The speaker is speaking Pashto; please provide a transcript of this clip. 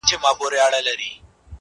انسانیت په توره نه راځي، په ډال نه راځي,